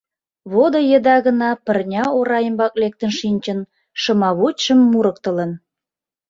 Водо еда гына пырня ора ӱмбак лектын шинчын, шымавучшым мурыктылын.